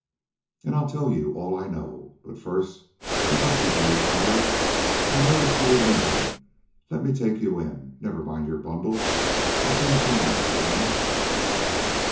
"And I'll tell you all I know, but, first, you must be very tired. I noticed you were limping. Let me take you in never mind your bundles; I'll send Chang for them."